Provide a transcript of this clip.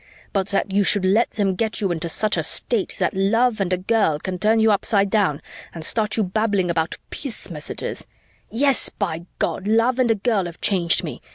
But that you should let them get you into such a state that love and a girl can turn you upside down and start you babbling about peace messages " "Yes, by God, love and a girl have changed me!"